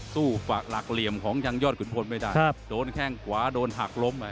ฝากหลักเหลี่ยมของยังยอดขุนพลไม่ได้ครับโดนแข้งขวาโดนหักล้มอ่ะ